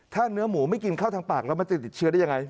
ถ้าเนื้อหมูไม่กินเข้าทางปากแล้วมันจะติดเชื้อได้ยังไง